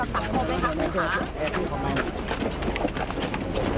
อยากจะบอกอะไรก่อนต่างพวกไหมครับ